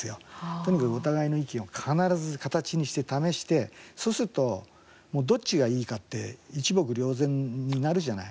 とにかく、お互いの意見を必ず形にして試してそうすると、どっちがいいかって一目瞭然になるじゃない。